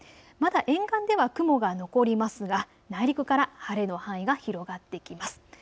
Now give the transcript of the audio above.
まだ沿岸では雲が残りますが、内陸から晴れの範囲が広がってきます。